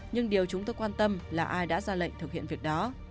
nhưng điều chúng tôi quan tâm là ai đã ra lệnh thực hiện việc đó